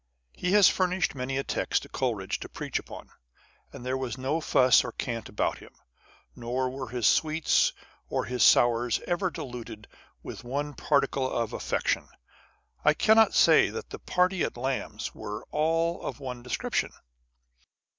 He has furnished many a text for Coleridge to preach upon. There was no fuss or cant about him : nor were his sweets or his sours ever diluted with one particle of affectation. I cannot say that the party at Lamb's were . all of one description.